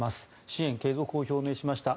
支援継続を表明しました。